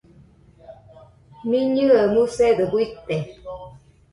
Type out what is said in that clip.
Miñɨe musedo guite